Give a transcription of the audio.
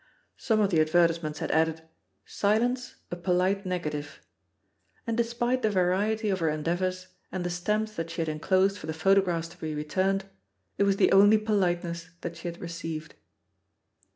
Some of the advertisements had added, "Silence, a po lite negative," and despite the variety of her en deavours, and the stamps that she had enclosed for the photographs to be returned, it was the only politeness that she had received.